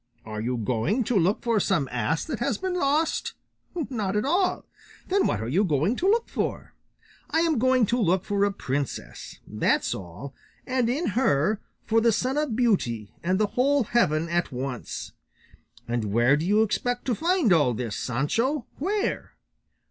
Are you going to look for some ass that has been lost? Not at all. Then what are you going to look for? I am going to look for a princess, that's all; and in her for the sun of beauty and the whole heaven at once. And where do you expect to find all this, Sancho? Where?